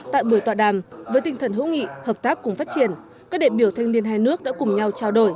tại buổi tọa đàm với tinh thần hữu nghị hợp tác cùng phát triển các đệ biểu thanh niên hai nước đã cùng nhau trao đổi